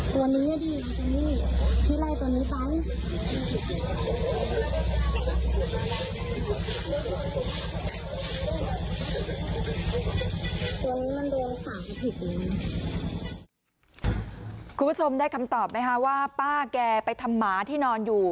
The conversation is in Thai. คุณผู้ชมได้คำตอบไหมคะว่าป้าแกไปทำหมาที่นอนอยู่